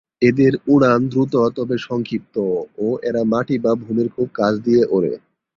এদের উড়ান দ্রুত তবে সংক্ষিপ্ত ও এরা মাটি বা ভূমির খুব কাছ দিয়ে ওড়ে।